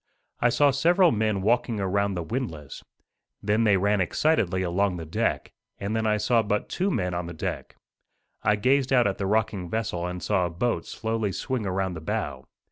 I saw several men walking around the windlass. Then they ran excitedly along the deck; and then I saw but two men on the deck. I gazed out at the rocking vessel and saw a boat slowly swing around the bow.